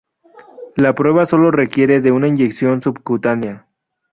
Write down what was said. La prueba sólo requiere de una inyección subcutánea.